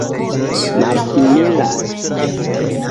malsimilas